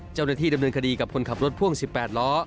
เจ้าหน้าที่ดำเนินคดีกับคนขับรถพ่วง๑๘ล้อ